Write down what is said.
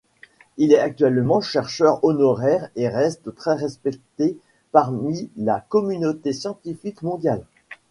Il est actuellement chercheur honoraire et reste très respecté parmi la communauté scientifique mondiale.